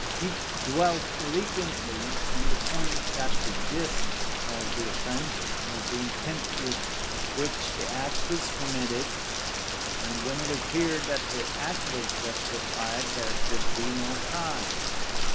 He dwelt eloquently on the point that the gist of the offense was the intent with which the act was committed, and when it appeared that the act was justified, there could be no crime.